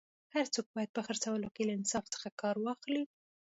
هر څوک باید په خرڅولو کي له انصاف څخه کار واخلي